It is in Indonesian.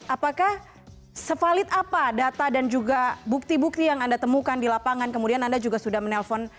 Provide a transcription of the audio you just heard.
apakah sevalid apa data dan juga bukti bukti yang anda temukan di lapangan kemudian anda juga sudah menelpon